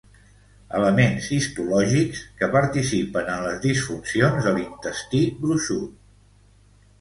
Elements histològics que participen en les disfuncions de l'intestí gruixut.